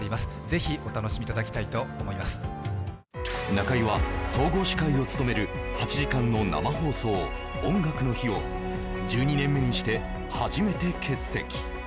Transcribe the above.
中居は総合司会を務める８時間の生放送「音楽の日」を１２年目にして初めて欠席。